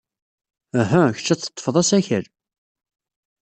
Uhu, kecc ad teḍḍfed asakal.